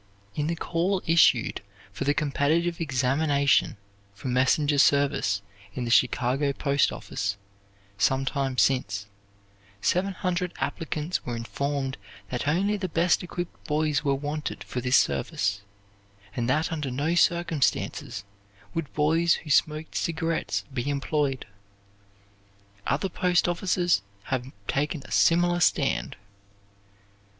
In the call issued for the competitive examination for messenger service in the Chicago Post office, sometime since, seven hundred applicants were informed that only the best equipped boys were wanted for this service, and that under no circumstances would boys who smoked cigarettes be employed. Other post offices have taken a similar stand.